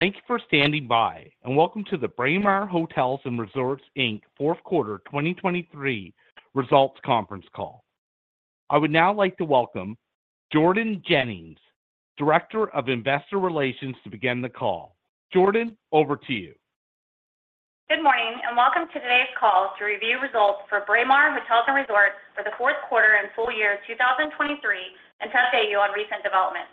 Thank you for standing by, and welcome to the Braemar Hotels and Resorts, Inc. fourth quarter 2023 results conference call. I would now like to welcome Jordan Jennings, Director of Investor Relations, to begin the call. Jordan, over to you. Good morning, and welcome to today's call to review results for Braemar Hotels & Resorts for the fourth quarter and full year 2023, and to update you on recent developments.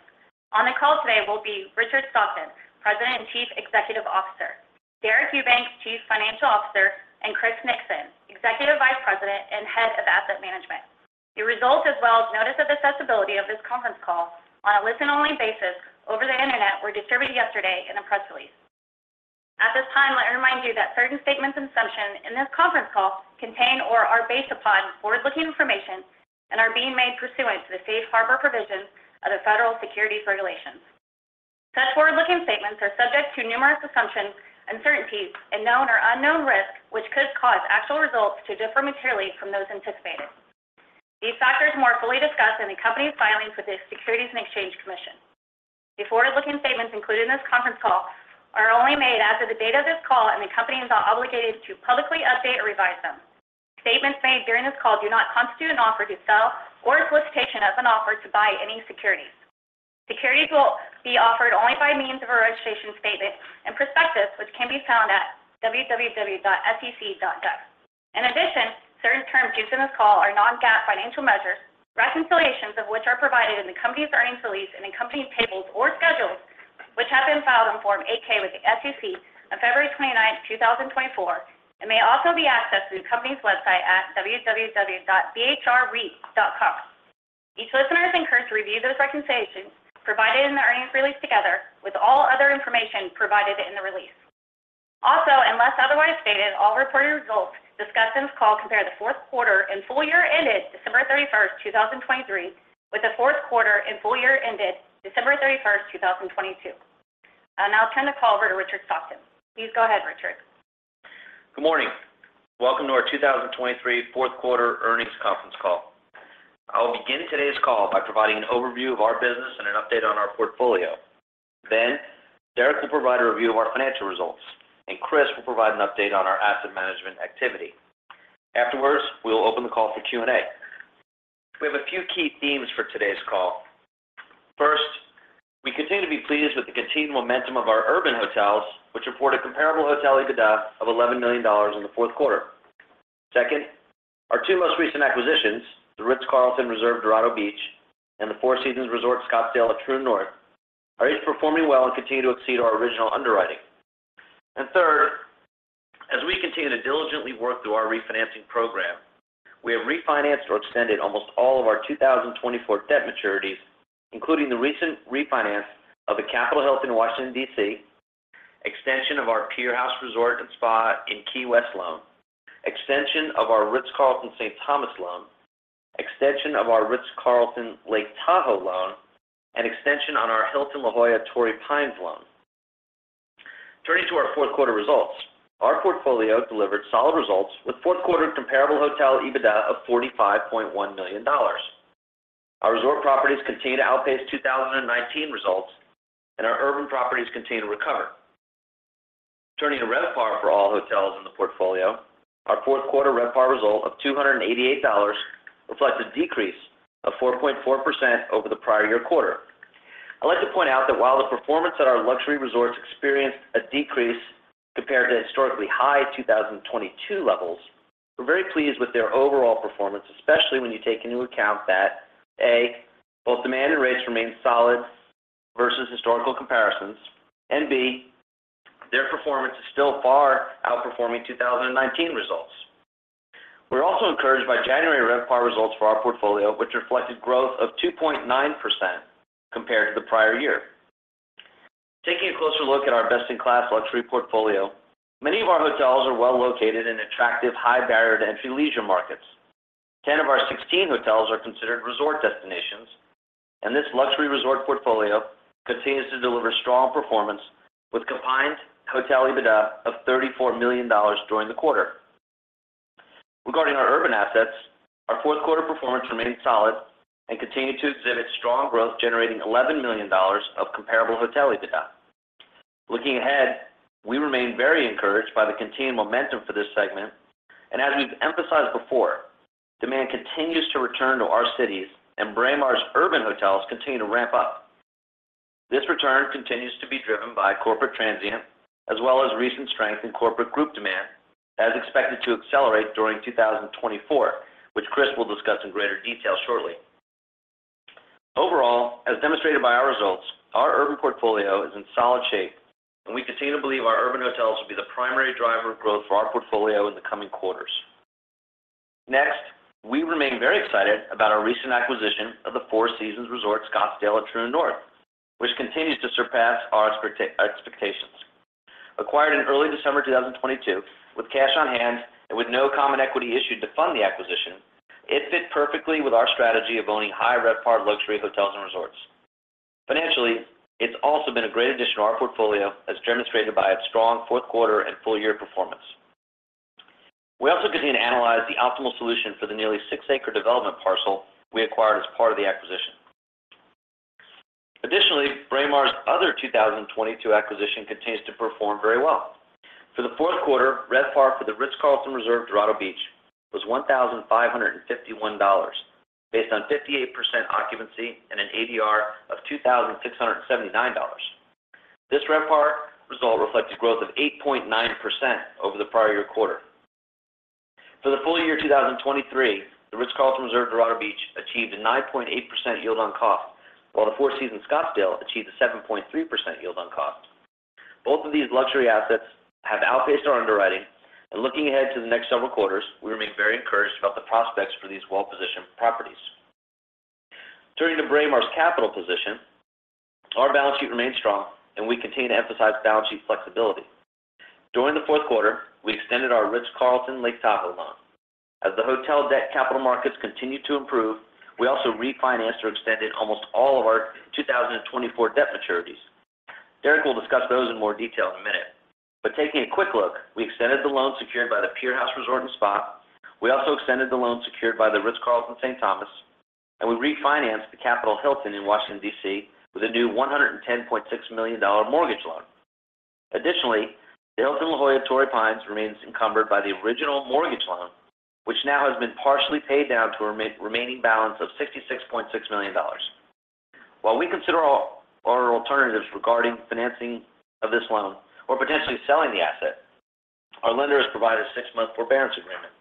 On the call today will be Richard Stockton, President and Chief Executive Officer, Deric Eubanks, Chief Financial Officer, and Chris Nixon, Executive Vice President and Head of Asset Management. The results, as well as notice of accessibility of this conference call on a listen-only basis over the Internet, were distributed yesterday in a press release. At this time, let me remind you that certain statements and assumptions in this conference call contain or are based upon forward-looking information and are being made pursuant to the safe harbor provisions of the Federal Securities Regulations. Such forward-looking statements are subject to numerous assumptions, uncertainties, and known or unknown risks, which could cause actual results to differ materially from those anticipated. These factors are more fully discussed in the company's filings with the Securities and Exchange Commission. The forward-looking statements included in this conference call are only made as of the date of this call, and the company is not obligated to publicly update or revise them. Statements made during this call do not constitute an offer to sell or a solicitation of an offer to buy any securities. Securities will be offered only by means of a registration statement and prospectus, which can be found at www.sec.gov. In addition, certain terms used in this call are non-GAAP financial measures, reconciliations of which are provided in the company's earnings release and in company tables or schedules, which have been filed on Form 8-K with the SEC on February 29, 2024, and may also be accessed through the company's website at www.bhrreit.com. Each listener is encouraged to review those reconciliations provided in the earnings release together with all other information provided in the release. Also, unless otherwise stated, all reported results discussed in this call compare the fourth quarter and full year ended December 31, 2023, with the fourth quarter and full year ended December 31, 2022. I'll now turn the call over to Richard Stockton. Please go ahead, Richard. Good morning. Welcome to our 2023 fourth quarter earnings conference call. I will begin today's call by providing an overview of our business and an update on our portfolio. Then Deric will provide a review of our financial results, and Chris will provide an update on our asset management activity. Afterwards, we will open the call for Q&A. We have a few key themes for today's call. First, we continue to be pleased with the continued momentum of our urban hotels, which report a Comparable Hotel EBITDA of $11 million in the fourth quarter. Second, our two most recent acquisitions, the Ritz-Carlton Reserve Dorado Beach and the Four Seasons Resort Scottsdale at Troon North, are each performing well and continue to exceed our original underwriting. And third, as we continue to diligently work through our refinancing program, we have refinanced or extended almost all of our 2024 debt maturities, including the recent refinance of the Capital Hilton in Washington, D.C., extension of our Pier House Resort and Spa in Key West loan, extension of our Ritz-Carlton St. Thomas loan, extension of our Ritz-Carlton Lake Tahoe loan, and extension on our Hilton La Jolla Torrey Pines loan. Turning to our fourth quarter results, our portfolio delivered solid results with fourth quarter comparable hotel EBITDA of $45.1 million. Our resort properties continue to outpace 2019 results, and our urban properties continue to recover. Turning to RevPAR for all hotels in the portfolio, our fourth quarter RevPAR result of $288 reflects a decrease of 4.4% over the prior year quarter. I'd like to point out that while the performance at our luxury resorts experienced a decrease compared to historically high 2022 levels, we're very pleased with their overall performance, especially when you take into account that, A, both demand and rates remain solid versus historical comparisons, and B, their performance is still far outperforming 2019 results. We're also encouraged by January RevPAR results for our portfolio, which reflected growth of 2.9% compared to the prior year. Taking a closer look at our best-in-class luxury portfolio, many of our hotels are well located in attractive, high-barrier-to-entry leisure markets. 10 of our 16 hotels are considered resort destinations, and this luxury resort portfolio continues to deliver strong performance, with combined Hotel EBITDA of $34 million during the quarter. Regarding our urban assets, our fourth quarter performance remained solid and continued to exhibit strong growth, generating $11 million of comparable hotel EBITDA. Looking ahead, we remain very encouraged by the continued momentum for this segment, and as we've emphasized before, demand continues to return to our cities, and Braemar's urban hotels continue to ramp up. This return continues to be driven by corporate transient, as well as recent strength in corporate group demand, that is expected to accelerate during 2024, which Chris will discuss in greater detail shortly. Overall, as demonstrated by our results, our urban portfolio is in solid shape, and we continue to believe our urban hotels will be the primary driver of growth for our portfolio in the coming quarters. Next, we remain very excited about our recent acquisition of the Four Seasons Resort Scottsdale at Troon North, which continues to surpass our expectations. Acquired in early December 2022 with cash on hand and with no common equity issued to fund the acquisition, it fit perfectly with our strategy of owning high RevPAR luxury hotels and resorts. Financially, it's also been a great addition to our portfolio, as demonstrated by its strong fourth quarter and full year performance.... We also continue to analyze the optimal solution for the nearly six-acre development parcel we acquired as part of the acquisition. Additionally, Braemar's other 2022 acquisition continues to perform very well. For the fourth quarter, RevPAR for the Ritz-Carlton Reserve Dorado Beach was $1,551, based on 58% occupancy and an ADR of $2,679. This RevPAR result reflects a growth of 8.9% over the prior-year quarter. For the full year 2023, the Ritz-Carlton Reserve Dorado Beach achieved a 9.8% yield on cost, while the Four Seasons Scottsdale achieved a 7.3% yield on cost. Both of these luxury assets have outpaced our underwriting, and looking ahead to the next several quarters, we remain very encouraged about the prospects for these well-positioned properties. Turning to Braemar's capital position, our balance sheet remains strong, and we continue to emphasize balance sheet flexibility. During the fourth quarter, we extended our Ritz-Carlton Lake Tahoe loan. As the hotel debt capital markets continue to improve, we also refinanced or extended almost all of our 2024 debt maturities. Deric will discuss those in more detail in a minute. But taking a quick look, we extended the loan secured by the Pier House Resort and Spa. We also extended the loan secured by the Ritz-Carlton St. Thomas, and we refinanced the Capital Hilton in Washington, D.C., with a new $110.6 million mortgage loan. Additionally, the Hilton La Jolla Torrey Pines remains encumbered by the original mortgage loan, which now has been partially paid down to a remaining balance of $66.6 million. While we consider all our alternatives regarding financing of this loan or potentially selling the asset, our lender has provided a six-month forbearance agreement.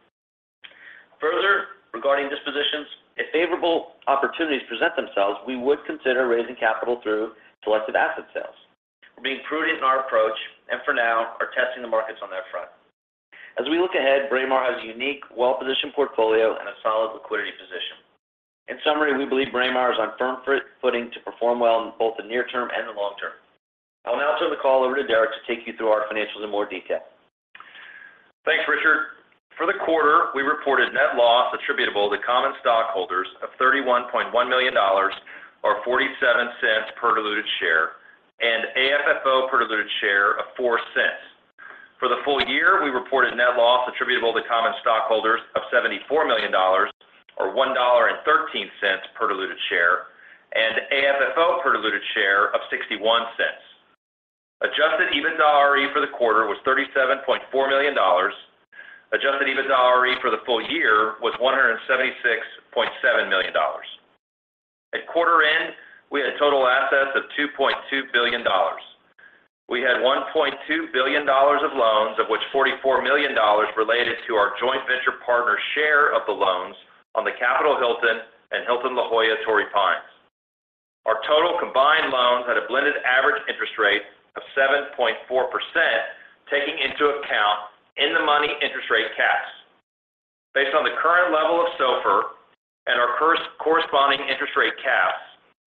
Further, regarding dispositions, if favorable opportunities present themselves, we would consider raising capital through selected asset sales. We're being prudent in our approach and for now, are testing the markets on that front. As we look ahead, Braemar has a unique, well-positioned portfolio and a solid liquidity position. In summary, we believe Braemar is on firm footing to perform well in both the near term and the long term. I'll now turn the call over to Deric to take you through our financials in more detail. Thanks, Richard. For the quarter, we reported net loss attributable to common stockholders of $31.1 million, or $0.47 per diluted share, and AFFO per diluted share of $0.04. For the full year, we reported net loss attributable to common stockholders of $74 million, or $1.13 per diluted share, and AFFO per diluted share of $0.61. Adjusted EBITDAre for the quarter was $37.4 million. Adjusted EBITDAre for the full year was $176.7 million. At quarter end, we had total assets of $2.2 billion. We had $1.2 billion of loans, of which $44 million related to our joint venture partner's share of the loans on the Capital Hilton and Hilton La Jolla Torrey Pines. Our total combined loans had a blended average interest rate of 7.4%, taking into account in-the-money interest rate caps. Based on the current level of SOFR and our corresponding interest rate caps,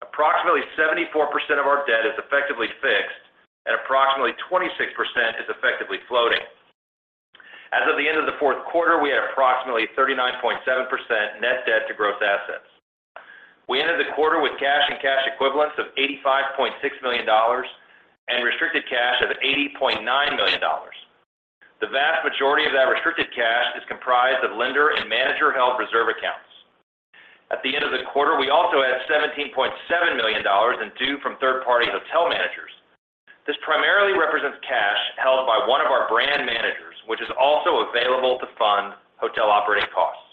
approximately 74% of our debt is effectively fixed and approximately 26% is effectively floating. As of the end of the fourth quarter, we had approximately 39.7% Net Debt to Gross Assets. We ended the quarter with cash and cash equivalents of $85.6 million and restricted cash of $80.9 million. The vast majority of that restricted cash is comprised of lender and manager-held reserve accounts. At the end of the quarter, we also had $17.7 million in due from third-party hotel managers. This primarily represents cash held by one of our brand managers, which is also available to fund hotel operating costs.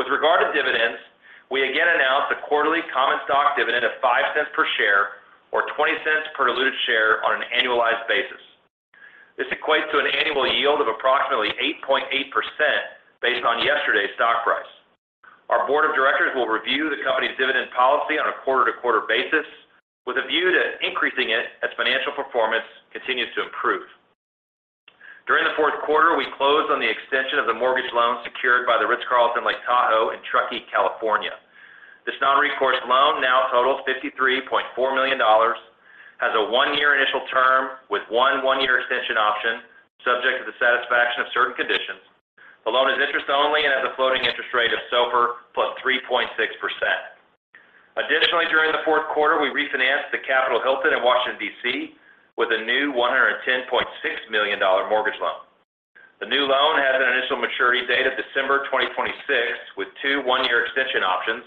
With regard to dividends, we again announced a quarterly common stock dividend of $0.05 per share, or $0.20 per diluted share on an annualized basis. This equates to an annual yield of approximately 8.8% based on yesterday's stock price. Our board of directors will review the company's dividend policy on a quarter-to-quarter basis, with a view to increasing it as financial performance continues to improve. During the fourth quarter, we closed on the extension of the mortgage loan secured by the Ritz-Carlton Lake Tahoe in Truckee, California. This non-recourse loan now totals $53.4 million, has a one-year initial term with one one-year extension option, subject to the satisfaction of certain conditions. The loan is interest only and has a floating interest rate of SOFR +3.6%. Additionally, during the fourth quarter, we refinanced the Capital Hilton in Washington, D.C., with a new $110.6 million mortgage loan. The new loan has an initial maturity date of December 2026, with two 1-year extension options,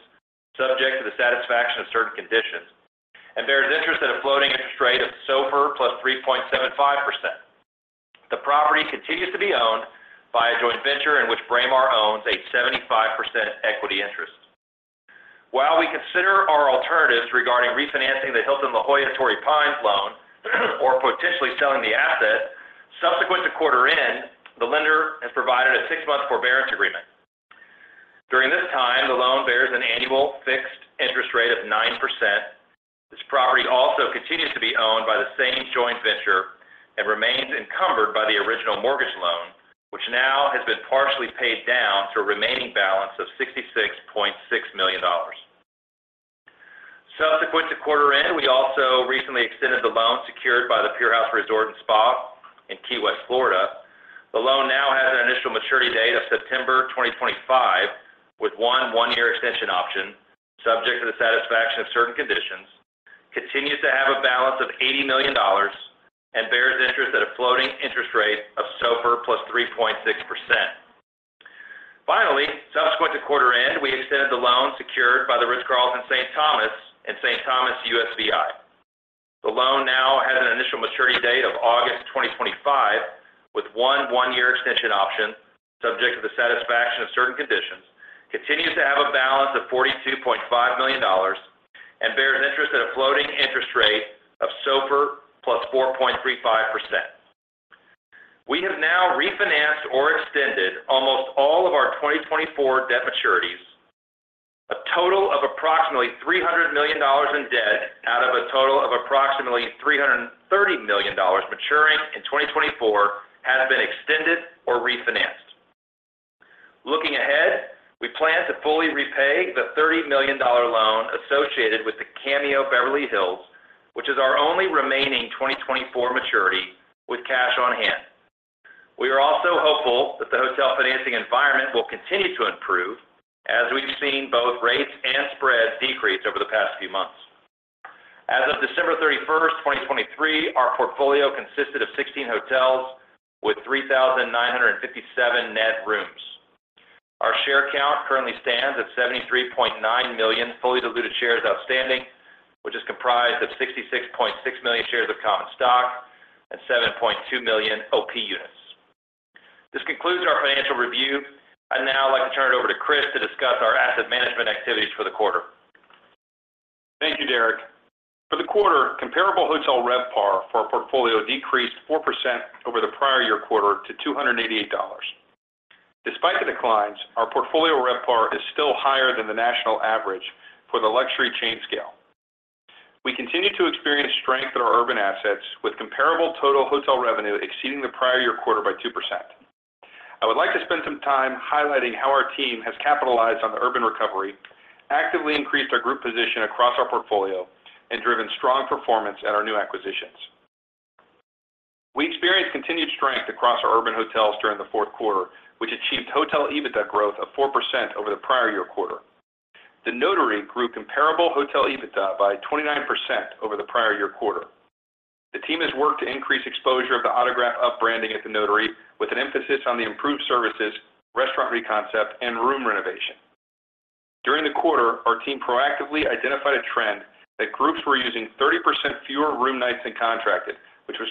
subject to the satisfaction of certain conditions, and bears interest at a floating interest rate of SOFR plus 3.75%. The property continues to be owned by a joint venture in which Braemar owns a 75% equity interest. While we consider our alternatives regarding refinancing the Hilton La Jolla Torrey Pines loan, or potentially selling the asset, subsequent to quarter end, the lender has provided a 6-month forbearance agreement. During this time, the loan bears an annual fixed interest rate of 9%. This property also continues to be owned by the same joint venture and remains encumbered by the original mortgage loan, which now has been partially paid down to a remaining balance of $66.6 million. Subsequent to quarter end, we also recently extended the loan secured by the Pier House Resort and Spa in Key West, Florida. The loan now has an initial maturity of 2025, with one-year extension option, subject to the satisfaction of certain conditions, continues to have a balance of $80 million, and bears interest at a floating interest rate of SOFR +3.6%. Finally, subsequent to quarter end, we extended the loan secured by the Ritz-Carlton St. Thomas and St. Thomas USVI. The loan now has an initial maturity date of August 2025, with one 1-year extension option, subject to the satisfaction of certain conditions, continues to have a balance of $42.5 million, and bears interest at a floating interest rate of SOFR plus 4.35%. We have now refinanced or extended almost all of our 2024 debt maturities. A total of approximately $300 million in debt, out of a total of approximately $330 million maturing in 2024, has been extended or refinanced. Looking ahead, we plan to fully repay the $30 million loan associated with the Mr. C Beverly Hills, which is our only remaining 2024 maturity with cash on hand. We are also hopeful that the hotel financing environment will continue to improve as we've seen both rates and spreads decrease over the past few months. As of December 31, 2023, our portfolio consisted of 16 hotels with 3,957 net rooms. Our share count currently stands at 73.9 million fully diluted shares outstanding, which is comprised of 66.6 million shares of common stock and 7.2 million OP units. This concludes our financial review. I'd now like to turn it over to Chris to discuss our asset management activities for the quarter. Thank you, Deric. For the quarter, comparable hotel RevPAR for our portfolio decreased 4% over the prior year quarter to $288. Despite the declines, our portfolio RevPAR is still higher than the national average for the luxury chain scale. We continue to experience strength in our urban assets, with comparable total hotel revenue exceeding the prior year quarter by 2%. I would like to spend some time highlighting how our team has capitalized on the urban recovery, actively increased our group position across our portfolio, and driven strong performance at our new acquisitions. We experienced continued strength across our urban hotels during the fourth quarter, which achieved Hotel EBITDA growth of 4% over the prior year quarter. The Notary grew comparable hotel EBITDA by 29% over the prior year quarter. The team has worked to increase exposure of the Autograph rebranding at The Notary, with an emphasis on the improved services, restaurant reconcept, and room renovation. During the quarter, our team proactively identified a trend that groups were using 30% fewer room nights than contracted, which was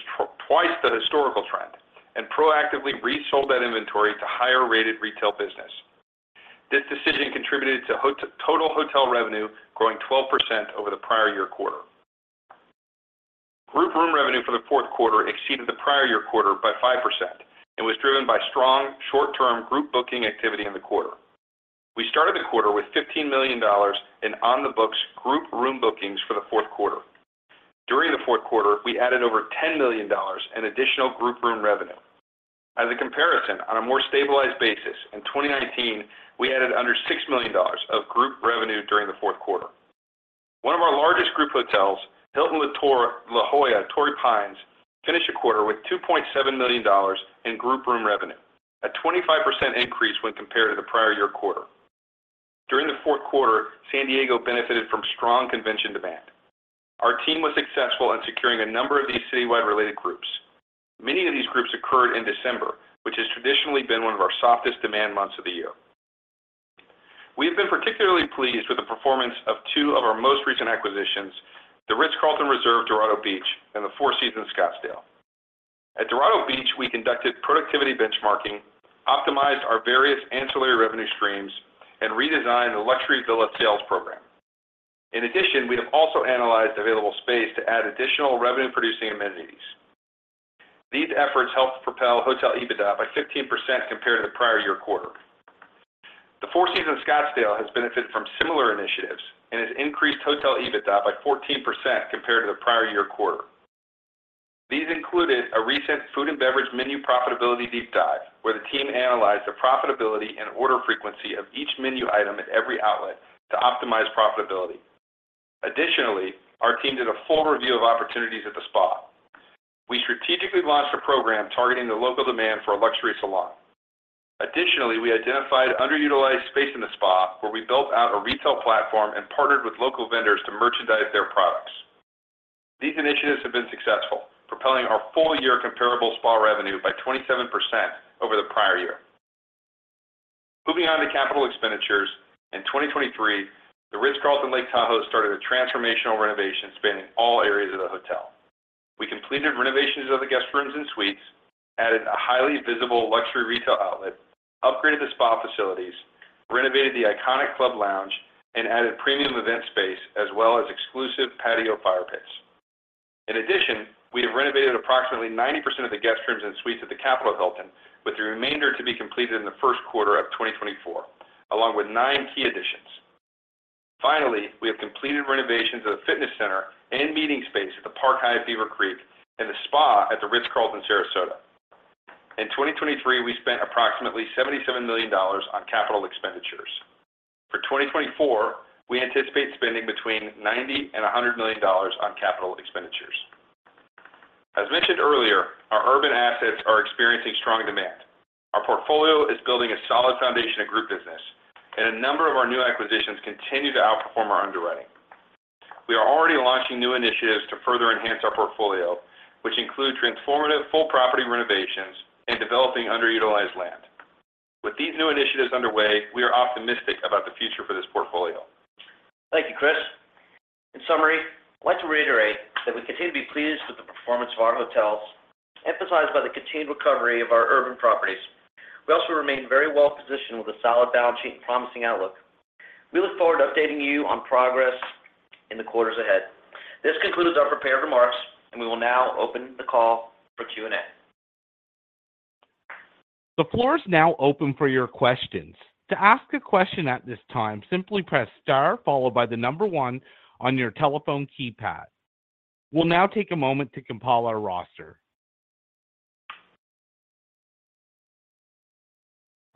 twice the historical trend, and proactively resold that inventory to higher-rated retail business. This decision contributed to total hotel revenue growing 12% over the prior year quarter. Group room revenue for the fourth quarter exceeded the prior year quarter by 5% and was driven by strong short-term group booking activity in the quarter. We started the quarter with $15 million in on-the-books group room bookings for the fourth quarter. During the fourth quarter, we added over $10 million in additional group room revenue. As a comparison, on a more stabilized basis, in 2019, we added under $6 million of group revenue during the fourth quarter. One of our largest group hotels, Hilton La Jolla Torrey Pines, finished the quarter with $2.7 million in group room revenue, a 25% increase when compared to the prior year quarter. During the fourth quarter, San Diego benefited from strong convention demand. Our team was successful in securing a number of these citywide related groups. Many of these groups occurred in December, which has traditionally been one of our softest demand months of the year. We have been particularly pleased with the performance of two of our most recent acquisitions, the Ritz-Carlton Reserve Dorado Beach, and the Four Seasons Scottsdale. At Dorado Beach, we conducted productivity benchmarking, optimized our various ancillary revenue streams, and redesigned the luxury villa sales program. In addition, we have also analyzed available space to add additional revenue-producing amenities. These efforts helped propel Hotel EBITDA by 15% compared to the prior year quarter. The Four Seasons Scottsdale has benefited from similar initiatives and has increased Hotel EBITDA by 14% compared to the prior year quarter. These included a recent food and beverage menu profitability deep dive, where the team analyzed the profitability and order frequency of each menu item at every outlet to optimize profitability. Additionally, our team did a full review of opportunities at the spa. We strategically launched a program targeting the local demand for a luxury salon. Additionally, we identified underutilized space in the spa, where we built out a retail platform and partnered with local vendors to merchandise their products. These initiatives have been successful, propelling our full year comparable spa revenue by 27% over the prior year. Moving on to capital expenditures, in 2023, the Ritz-Carlton Lake Tahoe started a transformational renovation spanning all areas of the hotel. We completed renovations of the guest rooms and suites, added a highly visible luxury retail outlet, upgraded the spa facilities, renovated the iconic club lounge, and added premium event space, as well as exclusive patio fire pits. In addition, we have renovated approximately 90% of the guest rooms and suites at the Capital Hilton, with the remainder to be completed in the first quarter of 2024, along with nine key additions. Finally, we have completed renovations of the fitness center and meeting space at the Park Hyatt Beaver Creek and the spa at the Ritz-Carlton Sarasota. In 2023, we spent approximately $77 million on capital expenditures. In 2024, we anticipate spending between $90 million and $100 million on capital expenditures. As mentioned earlier, our urban assets are experiencing strong demand. Our portfolio is building a solid foundation of group business, and a number of our new acquisitions continue to outperform our underwriting. We are already launching new initiatives to further enhance our portfolio, which include transformative full property renovations and developing underutilized land. With these new initiatives underway, we are optimistic about the future for this portfolio. Thank you, Chris. In summary, I'd like to reiterate that we continue to be pleased with the performance of our hotels, emphasized by the continued recovery of our urban properties. We also remain very well positioned with a solid balance sheet and promising outlook. We look forward to updating you on progress in the quarters ahead. This concludes our prepared remarks, and we will now open the call for Q&A. The floor is now open for your questions. To ask a question at this time, simply press Star, followed by the number one on your telephone keypad. We'll now take a moment to compile our roster.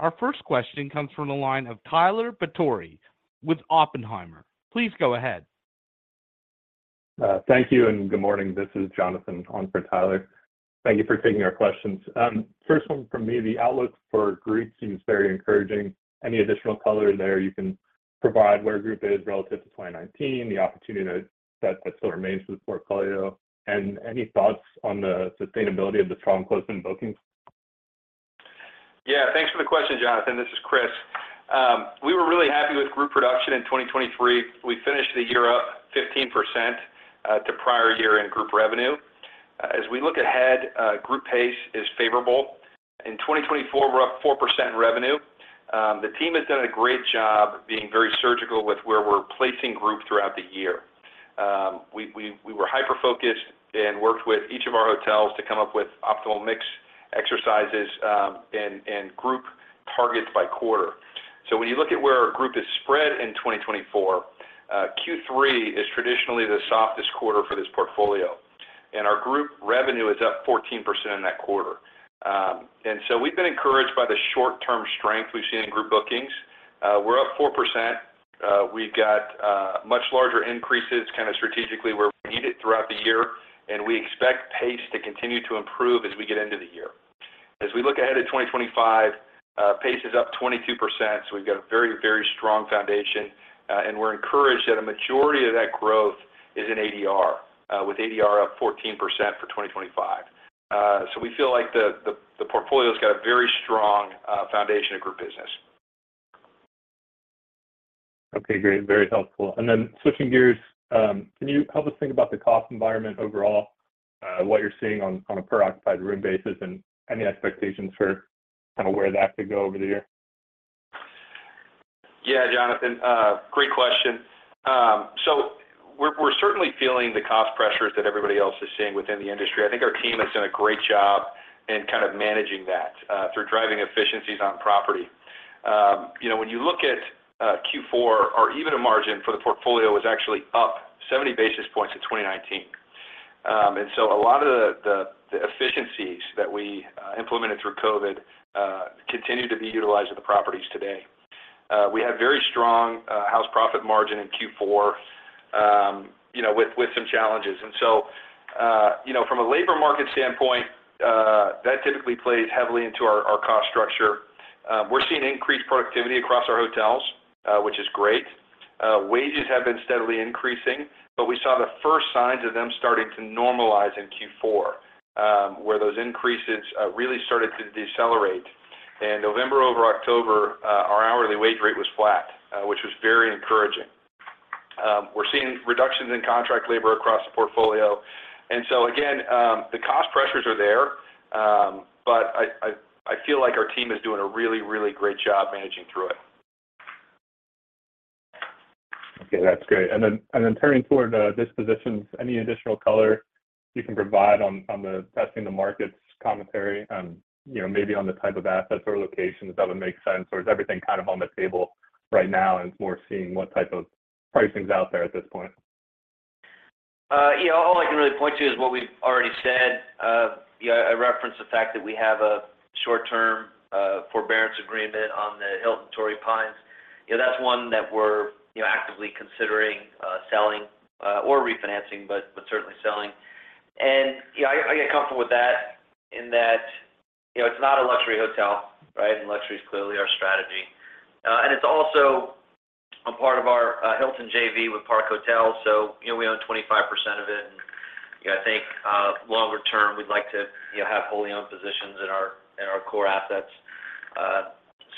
Our first question comes from the line of Tyler Batory with Oppenheimer. Please go ahead. Thank you, and good morning. This is Jonathan on for Tyler. Thank you for taking our questions. First one from me, the outlook for group seems very encouraging. Any additional color there you can provide where group is relative to 2019, the opportunity that, that still remains with the portfolio, and any thoughts on the sustainability of the strong close in bookings? Yeah, thanks for the question, Jonathan. This is Chris. We were really happy with group production in 2023. We finished the year up 15% to prior year in group revenue. As we look ahead, group pace is favorable. In 2024, we're up 4% in revenue. The team has done a great job being very surgical with where we're placing group throughout the year. We were hyper-focused and worked with each of our hotels to come up with optimal mix exercises, and group targets by quarter. So when you look at where our group is spread in 2024, Q3 is traditionally the softest quarter for this portfolio, and our group revenue is up 14% in that quarter. And so we've been encouraged by the short-term strength we've seen in group bookings. We're up 4%. We've got much larger increases, kind of strategically, where we need it throughout the year, and we expect pace to continue to improve as we get into the year. As we look ahead at 2025, pace is up 22%, so we've got a very, very strong foundation, and we're encouraged that a majority of that growth is in ADR, with ADR up 14% for 2025. So we feel like the portfolio's got a very strong foundation and group business. Okay, great. Very helpful. And then switching gears, can you help us think about the cost environment overall, what you're seeing on a per occupied room basis, and any expectations for kind of where that could go over the year? Yeah, Jonathan, great question. So we're certainly feeling the cost pressures that everybody else is seeing within the industry. I think our team has done a great job in kind of managing that through driving efficiencies on property. You know, when you look at Q4, our EBITDA margin for the portfolio was actually up 70 basis points in 2019. And so a lot of the efficiencies that we implemented through COVID continue to be utilized at the properties today. We had very strong house profit margin in Q4, you know, with some challenges. And so, you know, from a labor market standpoint, that typically plays heavily into our cost structure. We're seeing increased productivity across our hotels, which is great. Wages have been steadily increasing, but we saw the first signs of them starting to normalize in Q4, where those increases really started to decelerate. In November, over October, our hourly wage rate was flat, which was very encouraging. We're seeing reductions in contract labor across the portfolio, and so again, the cost pressures are there, but I feel like our team is doing a really, really great job managing through it. Okay, that's great. And then turning toward dispositions, any additional color you can provide on the testing the markets commentary on, you know, maybe on the type of assets or locations that would make sense, or is everything kind of on the table right now, and it's more seeing what type of pricing is out there at this point? Yeah, all I can really point to is what we've already said. You know, I referenced the fact that we have a short-term, forbearance agreement on the Hilton Torrey Pines. You know, that's one that we're, you know, actively considering, selling, or refinancing, but, but certainly selling. And, you know, I, I get comfortable with that, in that, you know, it's not a luxury hotel, right? And luxury is clearly our strategy. And it's also a part of our, Hilton JV with Park Hotels, so, you know, we own 25% of it. And, you know, I think, longer term, we'd like to, you know, have wholly owned positions in our, in our core assets.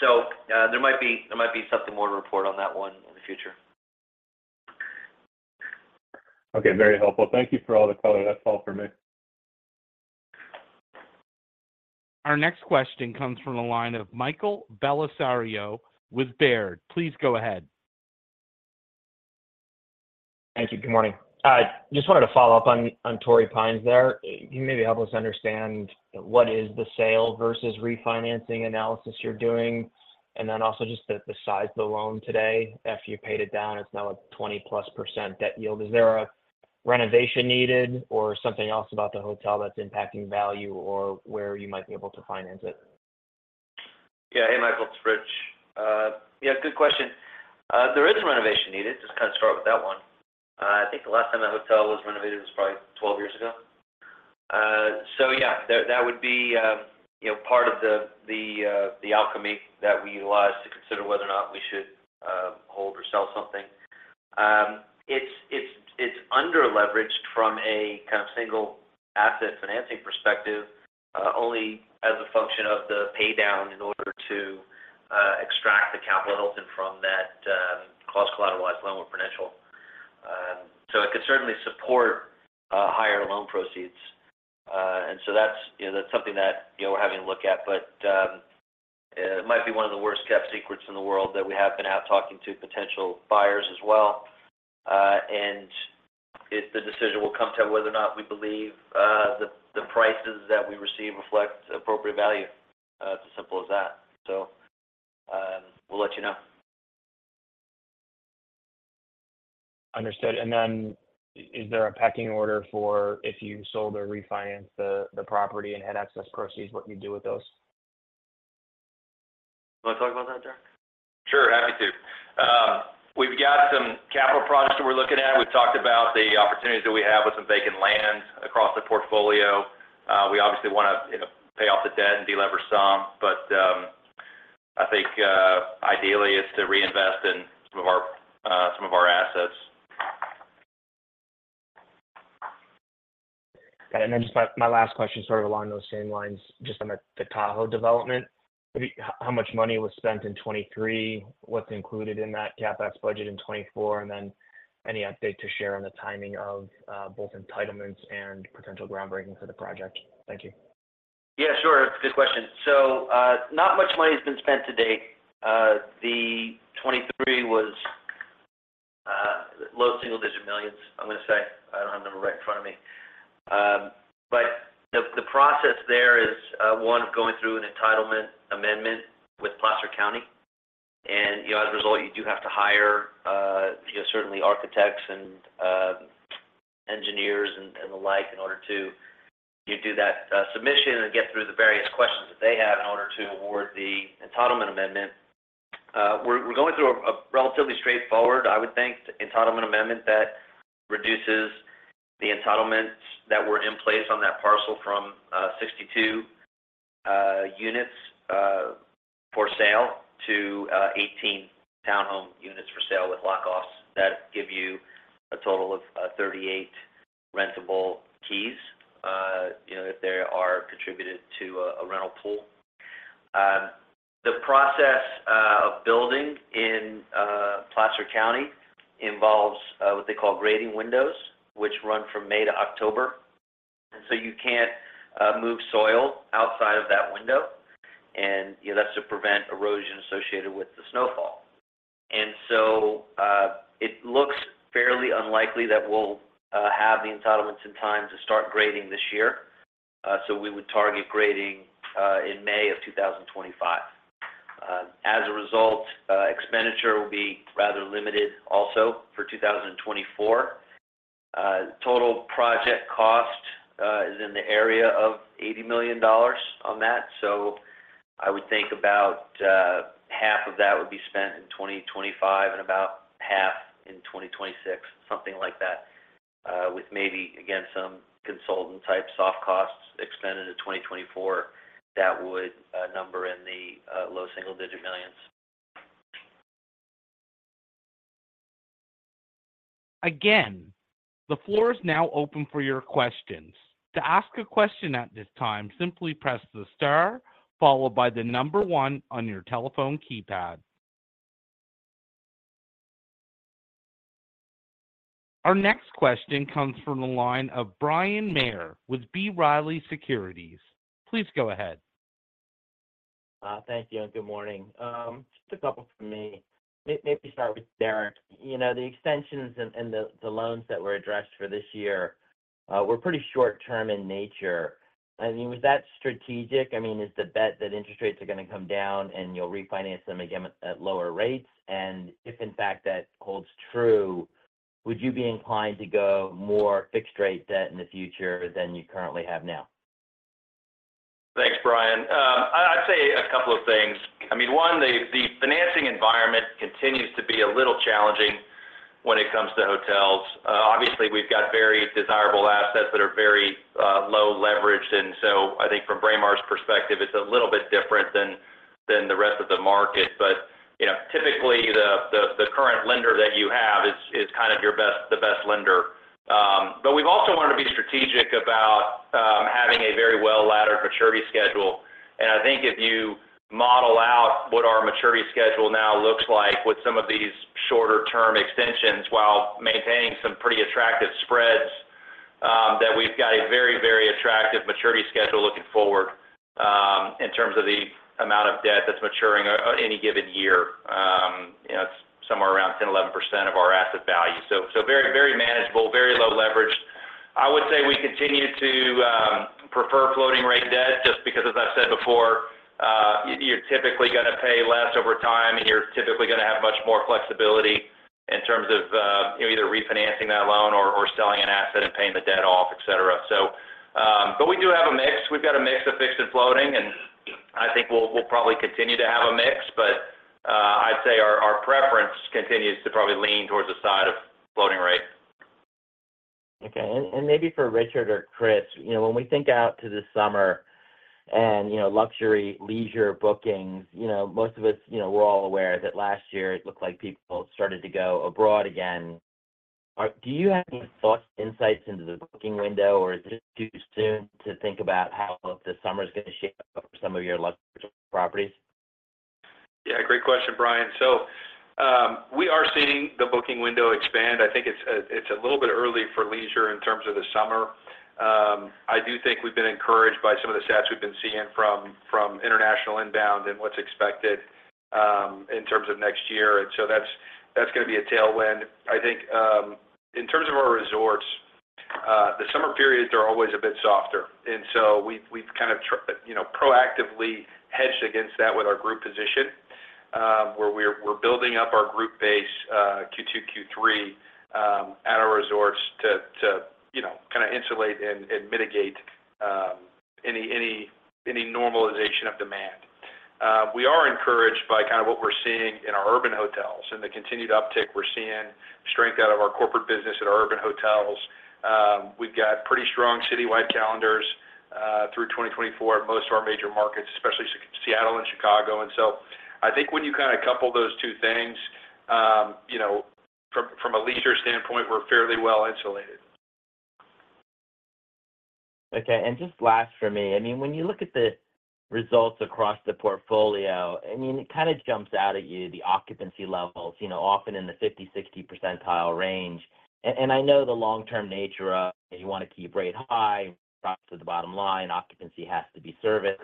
So, there might be, there might be something more to report on that one in the future. Okay. Very helpful. Thank you for all the color. That's all for me. Our next question comes from the line of Michael Bellisario with Baird. Please go ahead. Thank you. Good morning. I just wanted to follow up on Torrey Pines there. Can you maybe help us understand what is the sale versus refinancing analysis you're doing? And then also just the size of the loan today. After you paid it down, it's now a 20%-plus debt yield. Is there a renovation needed or something else about the hotel that's impacting value or where you might be able to finance it? Yeah. Hey, Michael, it's Rich. Yeah, good question. There is renovation needed, just kind of start with that one. I think the last time that hotel was renovated was probably 12 years ago. So yeah, that would be, you know, part of the alchemy that we utilize to consider whether or not we should hold or sell something. It's underleveraged from a kind of single asset financing perspective, only as a function of the pay down in order to extract the capital held in from that cross-collateralized loan with Prudential. So it could certainly support higher loan proceeds. So that's, you know, that's something that, you know, we're having to look at, but it might be one of the worst-kept secrets in the world that we have been out talking to potential buyers as well. If the decision will come to whether or not we believe the prices that we receive reflect appropriate value, it's as simple as that. We'll let you know. Understood. And then is there a pecking order for if you sold or refinance the property and had excess proceeds, what you do with those? You want to talk about that, Deric? Sure, happy to. We've got some capital projects that we're looking at. We've talked about the opportunities that we have with some vacant land across the portfolio. We obviously wanna, you know, pay off the debt and delever some, but I think, ideally, it's to reinvest in some of our, some of our assets. Then just my last question, sort of along those same lines, just on the Tahoe development. How much money was spent in 2023? What's included in that CapEx budget in 2024, and then any update to share on the timing of both entitlements and potential groundbreaking for the project? Thank you. Yeah, sure. Good question. So, not much money has been spent to date. 2023 was low single-digit millions, I'm gonna say. I don't have the number right in front of me. But the process there is one, going through an entitlement amendment with Placer County, and, you know, as a result, you do have to hire, you know, certainly architects and engineers, and the like, in order to you do that submission and get through the various questions that they have in order to award the entitlement amendment. We're going through a relatively straightforward, I would think, entitlement amendment that reduces the entitlements that were in place on that parcel from 62 units for sale to 18 townhome units for sale with lockoffs. That give you a total of 38 rentable keys, you know, if they are contributed to a rental pool. The process of building in Placer County involves what they call grading windows, which run from May to October, and so you can't move soil outside of that window, and, you know, that's to prevent erosion associated with the snowfall. And so it looks fairly unlikely that we'll have the entitlements in time to start grading this year. So we would target grading in May of 2025. As a result, expenditure will be rather limited also for 2024. Total project cost is in the area of $80 million on that. So I would think about half of that would be spent in 2025, and about half in 2026, something like that, with maybe, again, some consultant-type soft costs expended in 2024, that would number in the low single-digit millions. Again, the floor is now open for your questions. To ask a question at this time, simply press the star followed by the number one on your telephone keypad. Our next question comes from the line of Bryan Maher with B. Riley Securities. Please go ahead. Thank you, and good morning. Just a couple from me. Maybe start with Deric. You know, the extensions and the loans that were addressed for this year were pretty short-term in nature. I mean, was that strategic? I mean, is the bet that interest rates are gonna come down, and you'll refinance them again at lower rates? And if, in fact, that holds true, would you be inclined to go more fixed-rate debt in the future than you currently have now? Thanks, Bryan. I'd say a couple of things. I mean, one, the financing environment continues to be a little challenging when it comes to hotels. Obviously, we've got very desirable assets that are very low leveraged, and so I think from Braemar's perspective, it's a little bit different than the rest of the market. But, you know, typically, the current lender that you have is kind of your best, the best lender. But we've also wanted to be strategic about having a very well-laddered maturity schedule, and I think if you model out what our maturity schedule now looks like with some of these shorter-term extensions while maintaining some pretty attractive spreads, that we've got a very, very attractive maturity schedule looking forward in terms of the amount of debt that's maturing at any given year. You know, it's somewhere around 10%-11% of our asset value. So very, very manageable, very low leverage. I would say we continue to prefer floating rate debt, just because, as I've said before, you're typically gonna pay less over time, and you're typically gonna have much more flexibility in terms of either refinancing that loan or selling an asset and paying the debt off, et cetera. So but we do have a mix. We've got a mix of fixed and floating, and I think we'll probably continue to have a mix, but I'd say our preference continues to probably lean towards the side of floating rate. Okay. And maybe for Richard or Chris, you know, when we think out to this summer and, you know, luxury leisure bookings, you know, most of us, you know, we're all aware that last year it looked like people started to go abroad again. Do you have any thoughts, insights into the booking window, or is it too soon to think about how the summer's gonna shape up for some of your luxury properties? Yeah, great question, Bryan. So, we are seeing the booking window expand. I think it's, it's a little bit early for leisure in terms of the summer. I do think we've been encouraged by some of the stats we've been seeing from international inbound and what's expected, in terms of next year, and so that's, that's gonna be a tailwind. I think, in terms of our resorts, the summer periods are always a bit softer, and so we've kind of you know, proactively hedged against that with our group position, where we're building up our group base, Q2, Q3, at our resorts to you know, kind of insulate and mitigate any normalization of demand. We are encouraged by kind of what we're seeing in our urban hotels and the continued uptick we're seeing, strength out of our corporate business at our urban hotels. We've got pretty strong citywide calendars through 2024 in most of our major markets, especially Seattle and Chicago. And so I think when you kind of couple those two things, you know, from a leisure standpoint, we're fairly well insulated. Okay, and just last for me, I mean, when you look at the results across the portfolio, I mean, it kind of jumps out at you, the occupancy levels, you know, often in the 50-60 percentile range. And I know the long-term nature of, if you want to keep rate high, props to the bottom line, occupancy has to be serviced.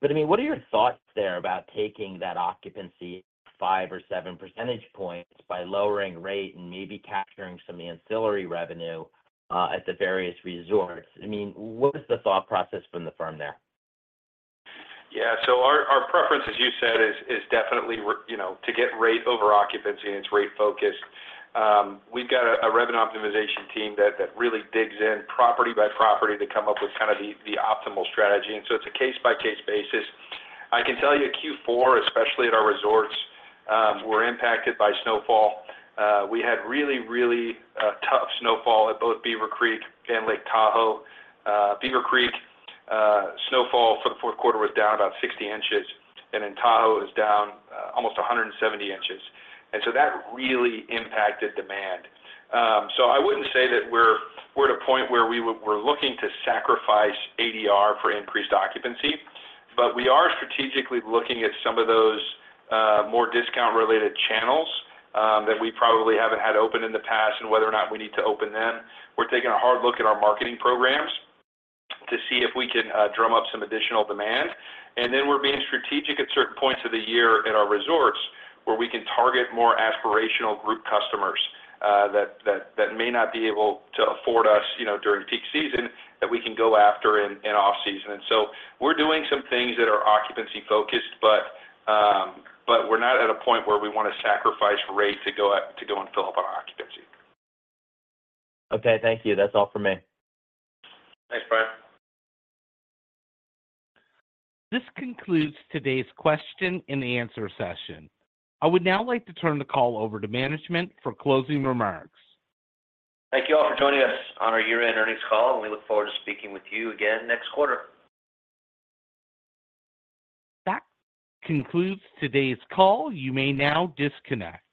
But, I mean, what are your thoughts there about taking that occupancy 5 or 7 percentage points by lowering rate and maybe capturing some ancillary revenue at the various resorts? I mean, what is the thought process from the firm there? Yeah. So our preference, as you said, is definitely, you know, to get rate over occupancy, and it's rate focused. We've got a revenue optimization team that really digs in, property by property, to come up with kind of the optimal strategy, and so it's a case-by-case basis. I can tell you Q4, especially at our resorts, were impacted by snowfall. We had really, really tough snowfall at both Beaver Creek and Lake Tahoe. Beaver Creek snowfall for the fourth quarter was down about 60 inches, and in Tahoe, it was down almost 170 inches. And so that really impacted demand. So I wouldn't say that we're at a point where we're looking to sacrifice ADR for increased occupancy, but we are strategically looking at some of those more discount-related channels that we probably haven't had open in the past, and whether or not we need to open them. We're taking a hard look at our marketing programs to see if we can drum up some additional demand. And then we're being strategic at certain points of the year at our resorts, where we can target more aspirational group customers that may not be able to afford us, you know, during peak season, that we can go after in off-season. And so we're doing some things that are occupancy focused, but, but we're not at a point where we want to sacrifice rate to go and fill up on occupancy. Okay. Thank you. That's all for me. Thanks, Bryan. This concludes today's question and answer session. I would now like to turn the call over to management for closing remarks. Thank you all for joining us on our year-end earnings call, and we look forward to speaking with you again next quarter. That concludes today's call. You may now disconnect.